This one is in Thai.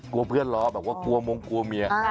กลัวเพื่อนล้อแบบว่ากลัวมงกลัวเมีย